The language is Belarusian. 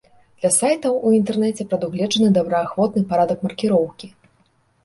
Для сайтаў у інтэрнэце прадугледжаны добраахвотны парадак маркіроўкі.